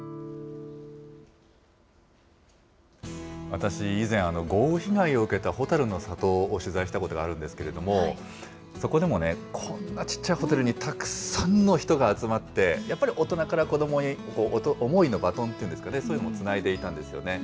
私、以前、豪雨被害を受けたホタルの里を取材したことがあるんですけど、そこでもね、こんなちっちゃいホタルに、たくさんの人が集まって、やっぱり大人から子どもに、思いのバトンっていうんですかね、そういうのをつないでいたんですよね。